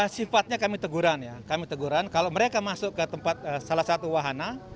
sifatnya kami teguran ya kami teguran kalau mereka masuk ke tempat salah satu wahana